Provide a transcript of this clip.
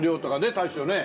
大将ねえ。